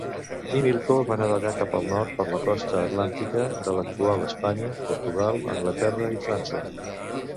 Himilco va navegar cap al nord per la costa atlàntica de l'actual Espanya, Portugal, Anglaterra i França.